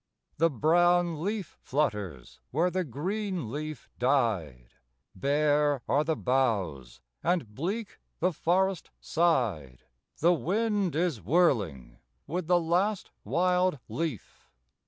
The brown leaf flutters where the green leaf died; Bare are the boughs, and bleak the forest side: The wind is whirling with the last wild leaf.